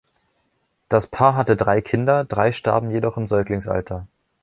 Das Paar hatte drei Kinder, drei starben jedoch im Säuglingsalter.